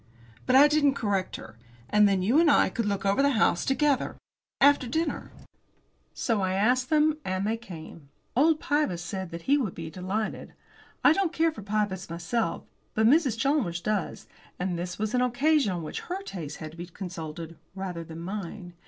But I didn't correct her. "And then you and I could look over the house together after dinner." So I asked them. And they came. Old Pybus said he would be delighted. I don't care for Pybus myself, but Mrs. Chalmers does, and this was an occasion on which her taste had to be consulted rather than mine.